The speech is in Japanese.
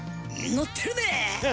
のってるねえ！